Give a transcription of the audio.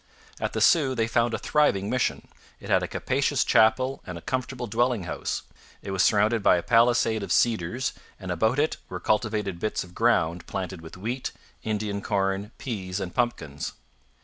At the Sault they found a thriving mission. It had a capacious chapel and a comfortable dwelling house; it was surrounded by a palisade of cedars, and about it were cultivated bits of ground planted with wheat, Indian corn, peas, and pumpkins.